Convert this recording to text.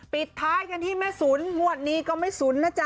ปิดท้ายกันที่แม่สุนงวดนี้ก็ไม่สุนนะจ๊